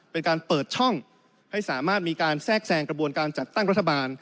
เป็นการเปิดช่องให้สามารถมีการแทรกแซงกระบวนการจัดตั้งรัฐบาล